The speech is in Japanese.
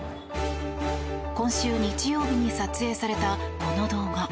今週日曜日に撮影されたこの動画。